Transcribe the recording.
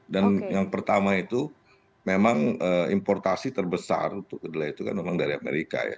dan yang pertama itu memang importasi terbesar untuk kedelai itu kan memang dari amerika ya